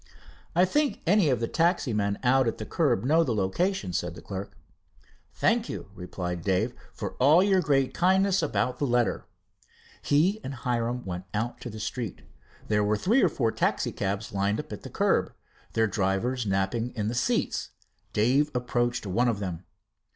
"I think any of the taxi men out at the curb know the location," said the clerk. "Thank you," replied Dave, "and for all your great kindness about that letter." He and Hiram went out to the street. There were three or four taxicabs lined up at the curb, their drivers napping in the seats. Dave approached one of them.